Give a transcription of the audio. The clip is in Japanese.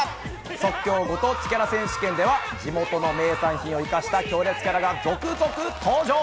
即興ご当地キャラ選手権では地元の名産品を生かした強烈キャラが続々登場！